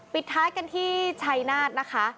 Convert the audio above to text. ปิดท้ายกันที่ชัยนาธนะคะ